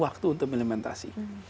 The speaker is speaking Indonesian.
waktu untuk melimitasi